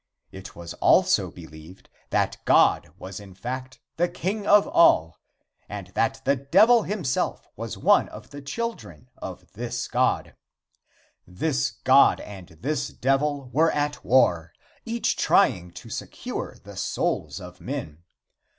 It was also believed that God was in fact the king of all, and that the Devil himself was one of the children of this God. This God and this Devil were at war, each trying to secure the souls of men.